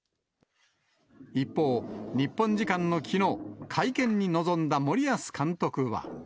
一方、日本時間のきのう、会見に臨んだ森保監督は。